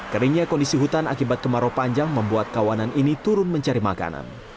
keringnya kondisi hutan akibat kemarau panjang membuat kawanan ini turun mencari makanan